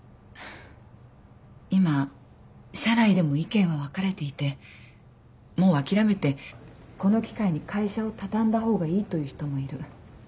今社内でも意見は分かれていてもう諦めてこの機会に会社を畳んだ方がいいという人もいる。